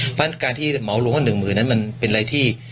เพราะฉะนั้นการที่เหมารวมว่า๑หมื่นนั้นมันเป็นอะไรที่